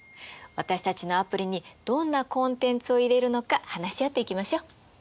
私たちのアプリにどんなコンテンツを入れるのか話し合っていきましょう。